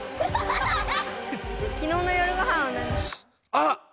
あっ！